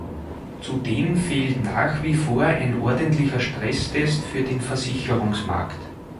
Zudem fehlt nach wie vor ein ordentlicher Stresstest für den Versicherungsmarkt.